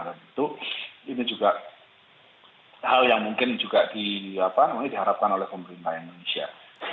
dan itu ini juga hal yang mungkin juga diharapkan oleh pemerintah indonesia